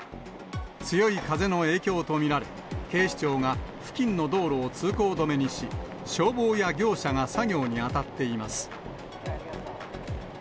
強い風の影響と見られ、警視庁が付近の道路を通行止めにし、消防や業者が作業に当たっています。